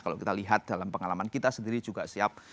kalau kita lihat dalam pengalaman kita sendiri juga siap